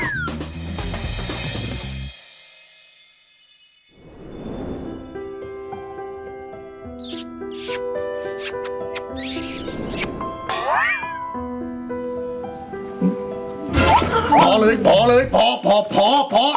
เหอ่อพอเลยพอเลยพอพอพอพอพอ